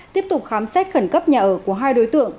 tiếp tục khám xét khẩn cấp nhà ở của hai đối tượng